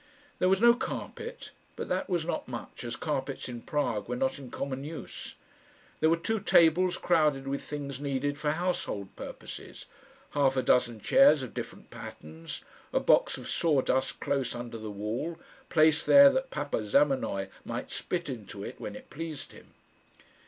There was no carpet; but that was not much, as carpets in Prague were not in common use. There were two tables crowded with things needed for household purposes, half a dozen chairs of different patterns, a box of sawdust close under the wall, placed there that papa Zamenoy might spit into it when it pleased him.